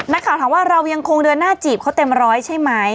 นักข่าวถามว่าเรายังคงเดินหน้าจีบเขาเต็มร้อยใช่ไหม